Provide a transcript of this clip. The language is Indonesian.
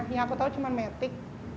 yang aku tahu cuma metik